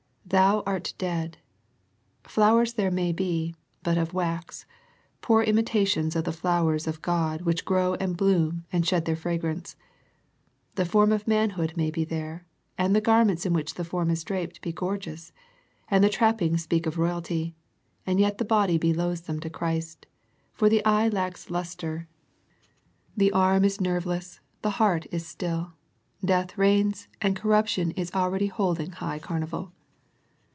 " Thou art dead." Flowers there may be, but of wax, poor imitations of the flowers of God which grow and bloom and shed their fra grance. The form of manhood may be there, and the garments in which the form is draped be gorgeous, and all the trappings speak of royalty, and yet the body be loathsome to Christ, for the eye lacks lustre, the arm is 138 A First Century Message nerveless, the heart is still, death reigns and corruption is already holding high carnival.